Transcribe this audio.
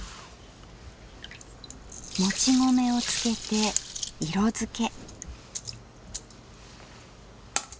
もち米をつけて色付け。